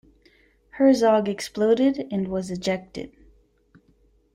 Herzog exploded and was ejected.